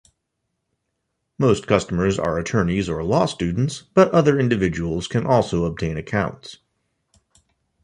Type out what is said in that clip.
Most customers are attorneys or law students, but other individuals can also obtain accounts.